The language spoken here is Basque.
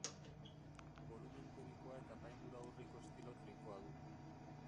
Bolumen kubikoa eta apaindura urriko estilo trinkoa du.